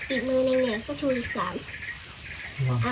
อีกมือหนึ่งเนี่ยให้ช่วยอีก๓